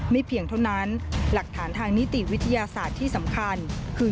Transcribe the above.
เพียงเท่านั้นหลักฐานทางนิติวิทยาศาสตร์ที่สำคัญคือ